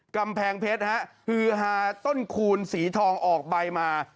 กำแพงเพชรฮือฮาต้นคูณสีทองออกใบมา